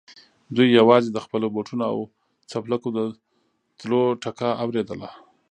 دوی يواځې د خپلو بوټونو او څپلکو د تلو ټکا اورېدله.